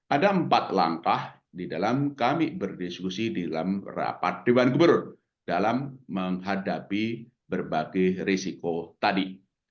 ada empat langkah di dalam kami berdiskusi di dalam rapat dewan gubernur dalam menghadapi berbagai risiko tadi